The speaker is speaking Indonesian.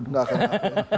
nggak akan ngaku